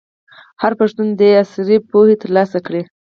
هر پښتون دي عصري پوهه ترلاسه کړي.